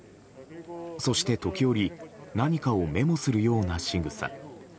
そして、時折何かをメモするようなしぐさ。